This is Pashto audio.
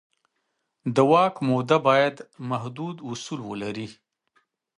د واک موده باید محدود اصول ولري